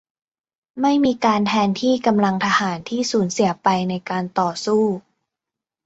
ไม่มีการแทนที่กำลังทหารที่สูญเสียไปในการต่อสู้